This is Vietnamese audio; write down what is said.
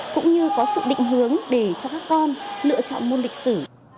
cũng như có sự định hướng để cho các con lựa chọn môn lịch sử